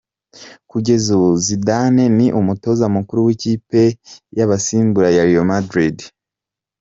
Kugeza ubu Zidane ni umutoza mukuru w’ikipe y’abasimbura ya Real Madrid.